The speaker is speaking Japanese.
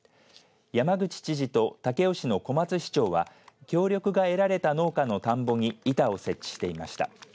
山口知事と武雄市の小松市長は協力がえられた農家の田んぼに板を設置していました。